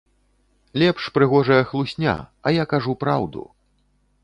Лепш прыгожая хлусня, а я кажу праўду.